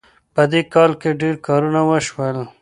په دې کال کې ډېر کارونه وشول